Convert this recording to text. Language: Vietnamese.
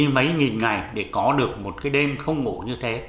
mấy nghìn ngày để có được một cái đêm không ngủ như thế